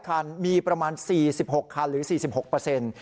คันมีประมาณ๔๖คันหรือ๔๖เปอร์เซ็นต์